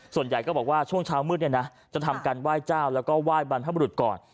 ส่วนใหญ่ก็บอกว่าช่วงเช้ามืดเนี่ยนะจะทำการไหว้เจ้าแล้วก็ไหว้บรรพบรุษก่อน